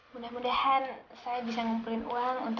mudah mudahan saya bisa ngumpulin uang untuk ganti uang ini tante